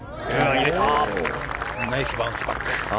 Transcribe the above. ナイスバウンスバック。